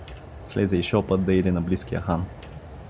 Слезе и шопът да иде на близкия хан.